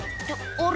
「あれ？